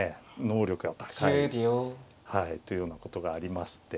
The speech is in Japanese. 能力が高い。というようなことがありまして。